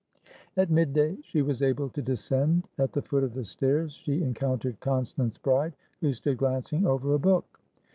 At mid day she was able to descend At the foot of the stairs, she encountered Constance Bride, who stood glancing over a book.